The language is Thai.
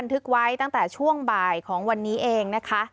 นี่คือช่วงบ่ายของวันนี้เองนะคะ